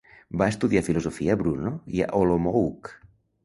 Va estudiar Filosofia a Brno i a Olomouc.